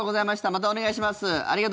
またお願いします。